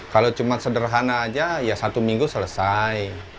kalau cuma sederhana aja ya satu minggu selesai